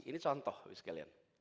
ini contoh ibu sekalian